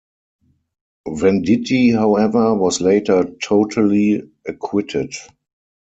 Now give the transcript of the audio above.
Venditti, however, was later totally acquitted.